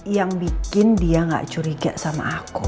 yang bikin dia gak curiga sama aku